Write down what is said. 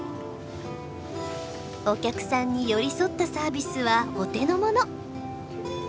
お客さんに寄り添ったサービスはお手の物。